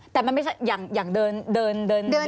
แต่มันไม่ใช่อย่างเดิน